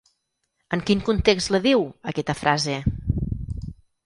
En quin context la diu, aquesta frase?